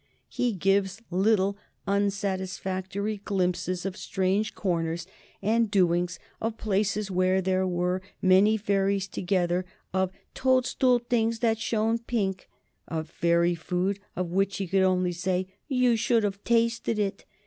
He gives little unsatisfactory glimpses of strange corners and doings, of places where there were many fairies together, of "toadstool things that shone pink," of fairy food, of which he could only say "you should have tasted it!"